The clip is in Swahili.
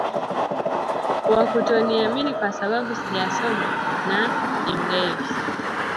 Wa kutoniamini kwa sababu sijasoma na ni mlevi